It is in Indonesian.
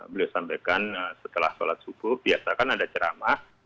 beliau sampaikan setelah sholat subuh biasakan ada ceramah